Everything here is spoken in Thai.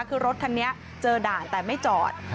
คือรถคันนี้เจอด่านแต่ไม่จอด